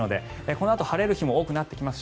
このあと晴れる日も多くなってきます